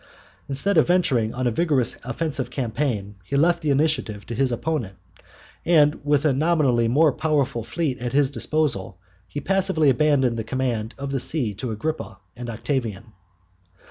Instead of venturing on a vigorous offensive campaign he left the initiative to his opponent, and with a nominally more powerful fleet at his disposal he passively abandoned the command of the sea to Agrippa and Octavian.